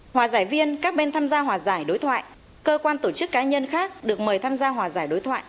hòa giải viên các bên tham gia hòa giải đối thoại cơ quan tổ chức cá nhân khác được mời tham gia hòa giải đối thoại